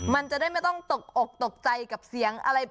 มันจะได้ไม่ต้องตกอกตกใจกับเสียงอะไร